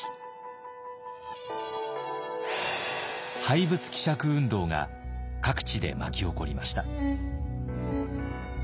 廃仏毀釈運動が各地で巻き起こりました。